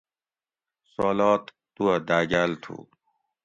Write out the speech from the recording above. سوالات توہ داگاۤل تھُو